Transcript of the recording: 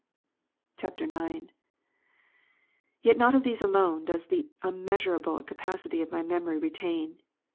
[IX.] 16. Yet not these alone does the unmeasurable capacity of my memory retain.